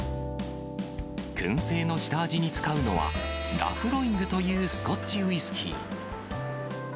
くん製の下味に使うのは、ラフロイグというスコッチウイスキー。